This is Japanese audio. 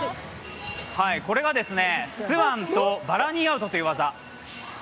これがスワンとバラニーアウトという技。